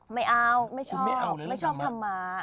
ไม่เอาไม่ชอบไม่ชอบทำมา